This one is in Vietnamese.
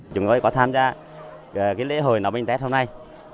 chúng tôi có tham gia lễ hồi nấu bánh tết hôm nay